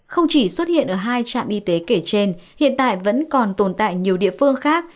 không chỉ xuất hiện ở hai trạm y tế kể trên hiện tại vẫn còn tồn tại nhiều địa phương khác